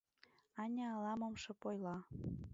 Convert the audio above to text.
Аня ала-мом шып ойла.